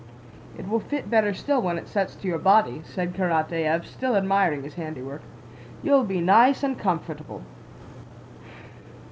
"It will fit better still when it sets to your body," said Karatáev, still admiring his handiwork. "You'll be nice and comfortable...."